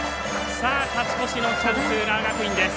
勝ち越しのチャンス、浦和学院。